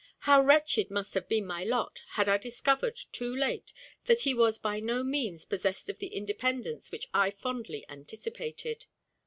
How wretched must have been my lot, had I discovered, too late, that he was by no means possessed of the independence which I fondly anticipated!